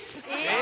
え